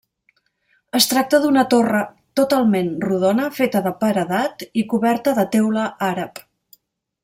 Es tracta d'una torre totalment rodona feta de paredat i coberta de teula àrab.